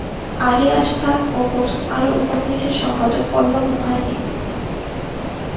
আলী আশফাক ও প্রথম আলোর উপফিচার সম্পাদক পল্লব মোহাইমেন।